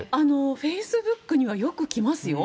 フェイスブックにはよく来ますよ。